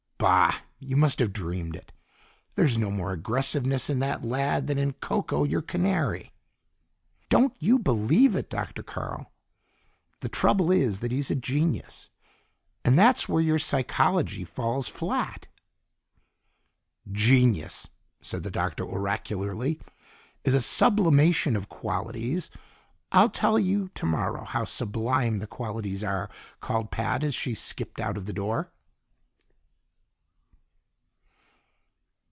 "Bah! You must've dreamed it. There's no more aggressiveness in that lad than in KoKo, your canary." "Don't you believe it, Dr. Carl! The trouble is that he's a genius, and that's where your psychology falls flat." "Genius," said the Doctor oracularly, "is a sublimation of qualities " "I'll tell you tomorrow how sublime the qualities are," called Pat as she skipped out of the door.